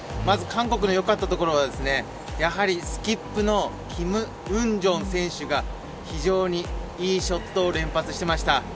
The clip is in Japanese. まず、韓国のよかったところはやはりスキップのキム・ウンジョン選手が非常にいいショットを連発していました。